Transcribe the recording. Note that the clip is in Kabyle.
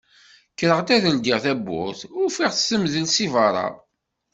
Kkreɣ ad ldiɣ tawwurt ufiɣ-tt temdel si berra.